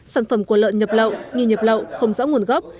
sản phẩm của lợn nhập lậu nghi nhập lậu không rõ nguồn gốc